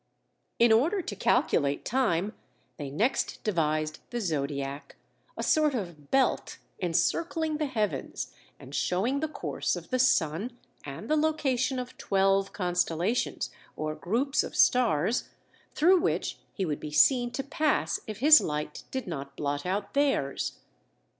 In order to calculate time, they next devised the zodiac, a sort of belt encircling the heavens and showing the course of the sun, and the location of twelve constellations, or groups of stars, through which he would be seen to pass if his light did not blot out theirs.